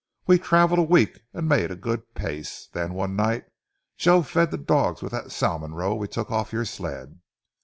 We travelled a week and made a good pace, then one night Joe there fed the dogs with the salmon roe we took off your sled.